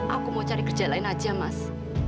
aku mau cari kerja lain aja mas